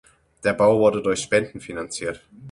Der Bau wurde durch Spenden finanziert.